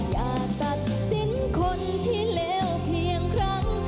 อย่าตัดสินคนที่เลวเพียงครั้ง